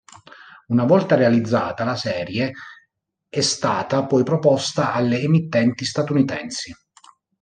Una volta realizzata, la serie è stata poi proposta alle emittenti statunitensi.